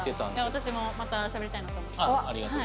私もまたしゃべりたいなと。